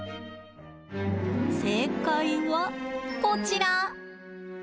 正解はこちら！